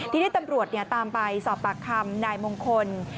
ทีนี้ตำรวจตามไปสอบปากคำนายมงคล